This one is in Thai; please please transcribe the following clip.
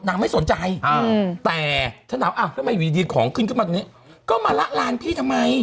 ถ้าน้ำอ่ะทำใส่อยู่ดิของขึ้นเข้ามาทีก็มรรละราญพี่ทำไม